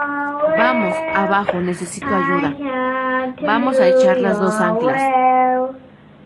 ¡ vamos, abajo, necesito ayuda! ¡ vamos a echar las dos anclas!